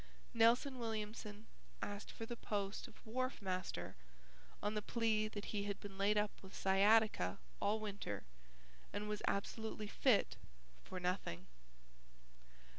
Nelson Williamson asked for the post of wharf master on the plea that he had been laid up with sciatica all winter and was absolutely fit for nothing.